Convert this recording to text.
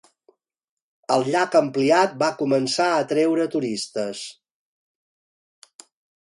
El llac ampliat va començar a atreure turistes.